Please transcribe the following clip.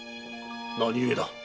何故だ？